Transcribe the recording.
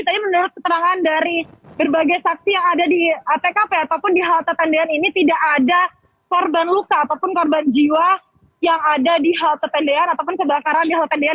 tapi menurut keterangan dari berbagai saksi yang ada di tkp ataupun di halte tendean ini tidak ada korban luka ataupun korban jiwa yang ada di halte tendean ataupun kebakaran di halte dean